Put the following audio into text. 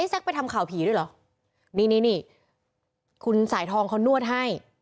แซ็กไปทำข่าวผีด้วยเหรอนี่นี่คุณสายทองเขานวดให้